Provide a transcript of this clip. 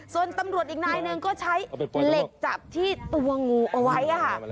ส่วนตำรวจอีกนายหนึ่งก็ใช้เหล็กจับที่ตัวงูเอาไว้ค่ะ